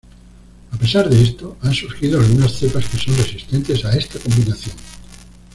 A pesar de esto, han surgido algunas cepas que son resistentes a esta combinación.